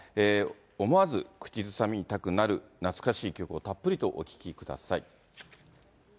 思わず口ずさみたくなる、懐かしい曲をたっぷりとお聴きください。